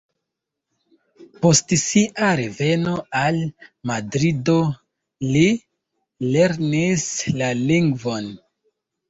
Post sia reveno al Madrido, li lernis la lingvon.